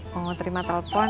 mau terima telepon